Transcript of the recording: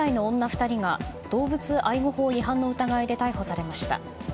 ２人が動物愛護法違反の疑いで逮捕されました。